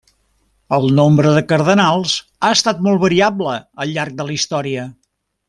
El nombre de cardenals ha estat molt variable al llarg de la història.